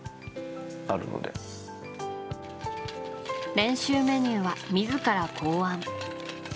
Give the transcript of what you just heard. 練習メニューは自ら考案。